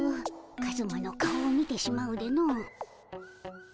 カズマの顔を見てしまうでの。